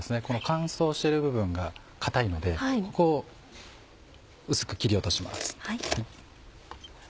この乾燥してる部分が硬いのでここを薄く切り落とします。